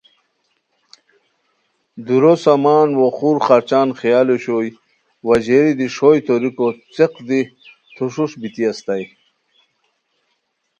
دُورو سامان وا خور خرچان خیا ل اوشوئے وا ژیری دی ݰوئے توریکو څیق دی تھشوش بیتی استائے